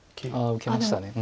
受けました。